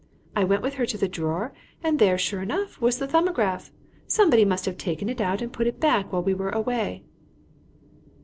I went with her to the drawer, and there, sure enough, was the 'Thumbograph.' Somebody must have taken it out and put it back while we were away."